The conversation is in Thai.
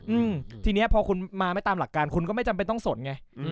อืมทีเนี้ยพอคุณมาไม่ตามหลักการคุณก็ไม่จำเป็นต้องสนไงอืม